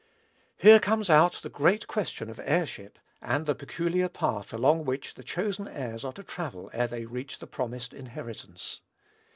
Here comes out the great question of heirship, and the peculiar path along which the chosen heirs are to travel ere they reach the promised inheritance.